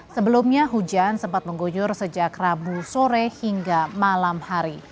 sebelumnya hujan sempat mengguyur sejak rabu sore hingga malam hari